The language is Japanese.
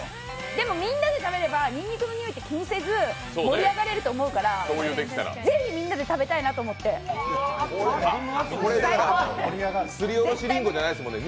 でもみんなで食べればにんにくのにおいって気にせず、盛り上がれると思うから、ぜひ、みんなで食べたいなと思ってすりおろしりんごじゃないですもんね。